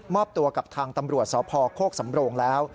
มอบตัวกับทางตำรวจสตร์พอฯโฆษ์สำโล่งแล้ว